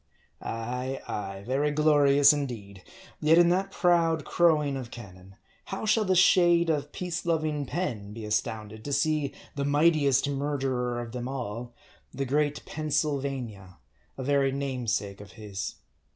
Ay, ay, very glorious indeed ! yet in that proud crowing of cannon, how shall the shade of peace loving Penn be astounded, to see the mighti est murderer of them all, the great Pennsylvania, a very namesake of his.